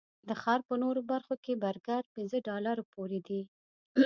د ښار په نورو برخو کې برګر پنځه ډالرو پورې دي.